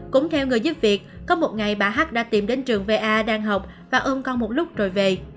cũng theo người giúp việc có một ngày bà h đã tìm đến trường va đang học và ôm con một lúc rồi về